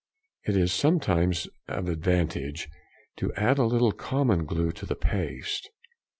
It is sometimes of advantage to add a little common glue to the paste.